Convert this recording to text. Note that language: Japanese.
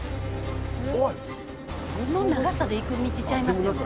この長さで行く道ちゃいますよね。